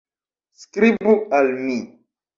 Skribu al mi!